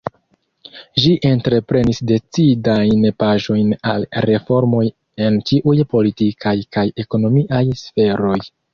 Ĝi entreprenis decidajn paŝojn al reformoj en ĉiuj politikaj kaj ekonomiaj sferoj.